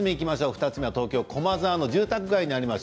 ２つ目は東京・駒沢の住宅街にあります